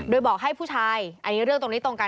โดยบอกให้ผู้ชายอันนี้เรื่องตรงนี้ตรงกัน